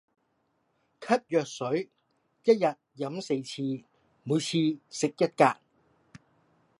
咳藥水一日飲四次，每次食一格